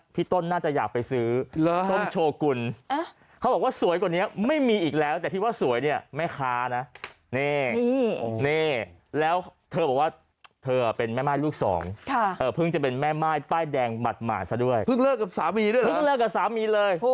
ผมว่าร้านนี้